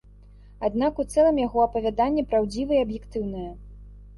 Аднак у цэлым яго апавяданне праўдзівае і аб'ектыўнае.